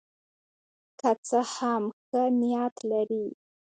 که څه هم ښه نیت لري.